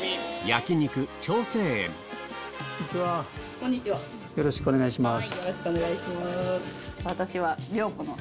こんにちはよろしくお願いします。